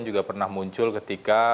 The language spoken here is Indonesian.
juga pernah muncul ketika